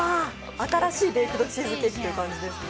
新しいベイクドチーズケーキという感じですね。